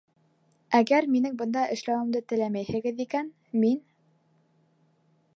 Әгәр минең бында эшләүемде теләмәйһегеҙ икән, мин...